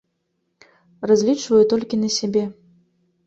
Разлічваю толькі на сябе.